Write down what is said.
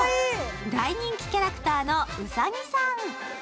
大人気キャラクターのうさぎさん。